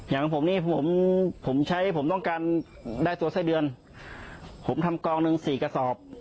อย่างผมนี่ผมผมใช้ผมต้องการได้ตัวไส้เดือนผมทำกองหนึ่งสี่กระสอบ